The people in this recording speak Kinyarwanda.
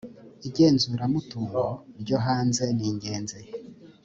igenzuramutungo ryo hanze ningenzi.